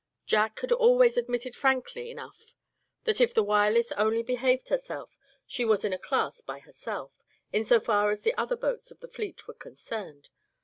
Jack had always admitted frankly enough that if the Wireless only behaved herself, she was in a class by herself, insofar as the other boats of the fleet were concerned.